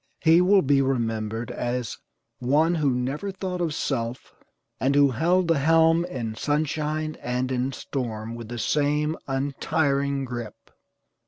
He will be remembered as "one who never thought of self, and who held the helm in sunshine and in storm with the same untiring grip."